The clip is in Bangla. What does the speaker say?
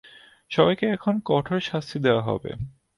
সবাইকে এখন কঠোর শাস্তি দেওয়া হবে।